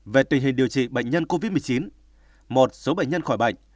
về tình hình điều trị bệnh nhân covid một mươi chín một số bệnh nhân khỏi bệnh